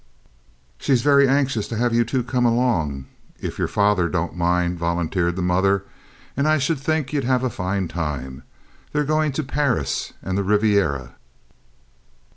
"She's very anxious to have you two come along, if your father don't mind," volunteered the mother, "and I should think ye'd have a fine time. They're going to Paris and the Riveera."